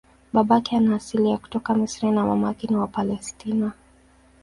Babake ana asili ya kutoka Misri na mamake ni wa Palestina.